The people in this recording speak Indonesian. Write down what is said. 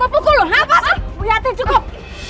bu yati cukup